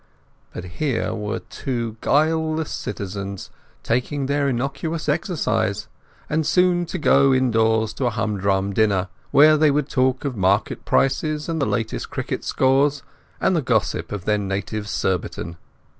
But here were two guileless citizens taking their innocuous exercise, and soon about to go indoors to a humdrum dinner, where they would talk of market prices and the last cricket scores and the gossip of their native Surbiton.